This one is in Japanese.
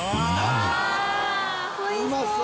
うまそう！